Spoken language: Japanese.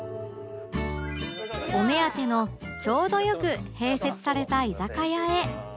お目当てのちょうどよく併設された居酒屋へ